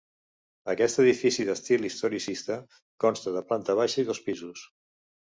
Aquest edifici d'estil historicista consta de planta baixa i dos pisos.